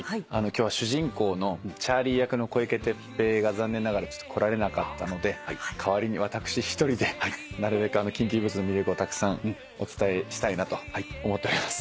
今日は主人公のチャーリー役の小池徹平が残念ながら来られなかったので代わりに私一人でなるべく『キンキーブーツ』の魅力をたくさんお伝えしたいなと思っております。